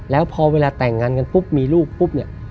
แล้วพอเวลาแต่งงานกันปุ๊บมีลูกปุ๊บเนี่ย